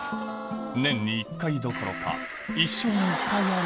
年に１回どころか